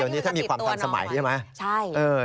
วันนี้ถ้ามีความทันสมัยใช่ไหมใช่